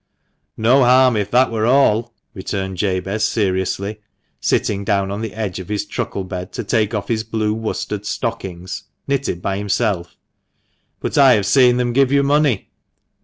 "No harm, if that were all," returned Jabez, seriously, sitting down on the edge of his truckle bed to take off his blue worsted stockings (knitted by himself), " but I have seen them give you money."